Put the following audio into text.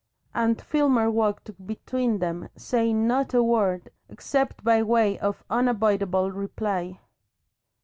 And Filmer walked between them saying not a word except by way of unavoidable reply.